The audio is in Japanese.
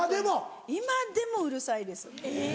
今でもうるさいです。